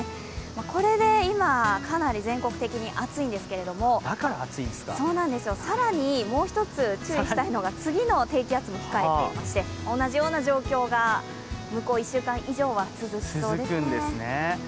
これで今、かなり全国的に暑いんですけれども更に、もう一つ注意したいのが次の低気圧が控えていまして同じような状況が向こう１週間以上は続きそうですね。